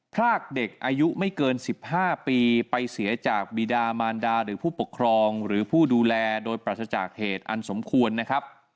พรากเด็กอายุไม่เกิน๑๕ปีไปเสียจากบีดามารดาหรือผู้ปกครองหรือผู้ดูแลโดยปรัสจากเหตุอันสมควรนะครับ